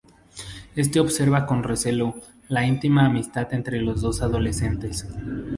Éste observa con recelo la íntima amistad entre los dos adolescentes.